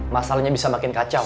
masalahnya bisa makin kacau